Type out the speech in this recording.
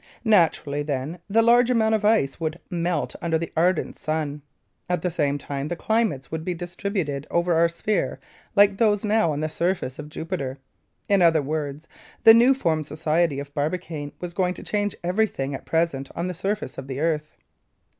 Naturally, then the large amount of ice would melt under the ardent sun. At the same time the climates would be distributed over our sphere like those now on the surface of Jupiter. In other words, the new formed society of Barbicane was going to change everything at present on the surface of the earth.